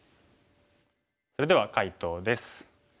それでは解答です。